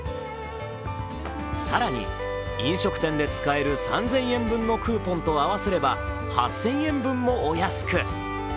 更に飲食店で使える３０００円分のクーポンと合わせれば８０００円分もお安く。